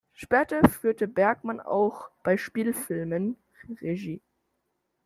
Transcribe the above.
Später führte Bergmann auch bei Spielfilmen Regie.